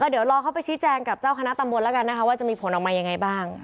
เดี๋ยวรอเขาไปชี้แจงกับเจ้าคณะตำบลแล้วกันนะคะว่าจะมีผลออกมายังไงบ้าง